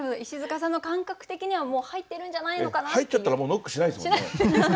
石塚さんの感覚的にはもう入ってるんじゃないのかなっていう。